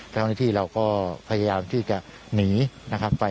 เจ้าหน้าที่เราก็พยายามที่จะหนีนะครับไป